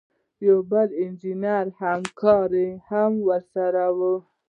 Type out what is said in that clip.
یو بل انجینر همکار یې هم ورسره و.